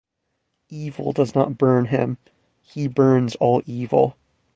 Evil does not burn him, he burns all evil.